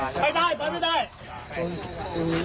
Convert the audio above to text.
ไปได้เปิดไม่ได้